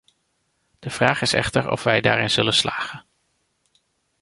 De vraag is echter of wij daarin zullen slagen?